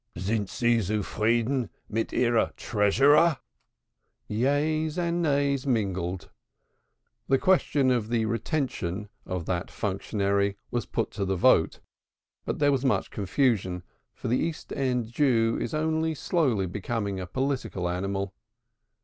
"Sind sie zufrieden mit ihrer Treasurer?" Yeas and nays mingled. The question of the retention, of the functionary was put to the vote. But there was much confusion, for the East End Jew is only slowly becoming a political animal.